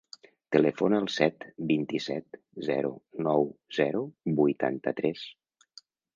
Telefona al set, vint-i-set, zero, nou, zero, vuitanta-tres.